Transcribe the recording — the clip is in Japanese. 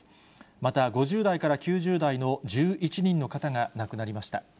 また５０代から９０代の１１人の方が亡くなりました。